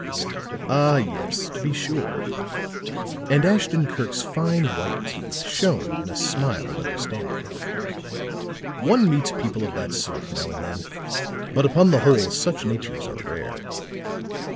"Ah, yes, to be sure." And Ashton Kirk's fine white teeth shone in a smile of understanding. "One meets people of that sort now and then, but upon the whole such natures are rare."